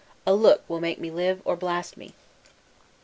A look will make me live or blast me."